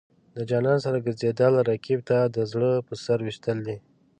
د جانان سره ګرځېدل، رقیب ته د زړه په سر ویشتل دي.